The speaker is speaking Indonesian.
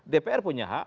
dpr punya hak